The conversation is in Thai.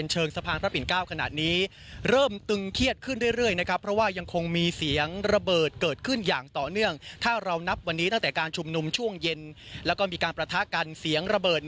เหลือระเบิดเกิดขึ้นอีกแล้วนะครับ